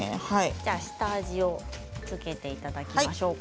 じゃあ下味を付けていただきましょうか。